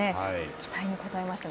期待に応えましたね。